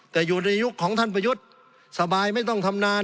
แต่อยู่ในยุคของท่านประยุทธ์สบายไม่ต้องทำนาน